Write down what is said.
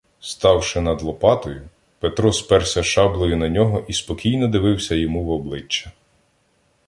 Ставши над Лопатою, Петро сперся шаблею на нього і спокійно дивився йому в обличчя.